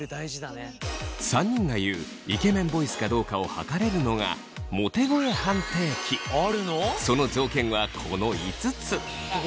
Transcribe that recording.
３人が言うイケメンボイスかどうかを測れるのがその条件はこの５つ。